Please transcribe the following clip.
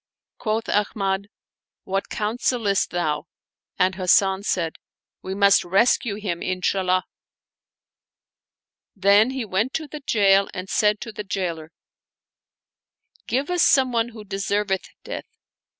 Quoth Ahmad, " What counselest thou ?" and Hasan said, " We must rescue him, Inshallah !" Then he went to the jail and said to the jailer, " Give us some one who deserveth death."